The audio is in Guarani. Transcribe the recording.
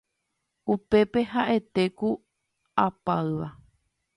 Upépe ha'ete ku apáyva